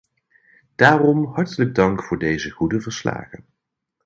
Daarom hartelijk dank voor deze goede verslagen.